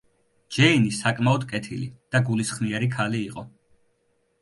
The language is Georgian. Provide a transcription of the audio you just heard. ჯეინი საკმაოდ კეთილი და გულისხმიერი ქალი იყო.